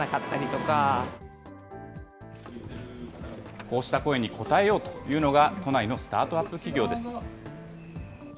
こうした声に応えようというのが、都内のスタートアップ企業です。